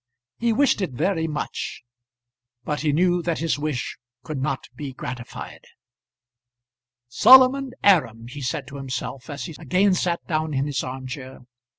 He wished it very much; but he knew that his wish could not be gratified. "Solomon Aram!" he said to himself, as he again sat down in his arm chair.